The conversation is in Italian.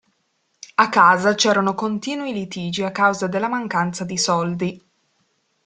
A casa c'erano continui litigi a causa della mancanza di soldi.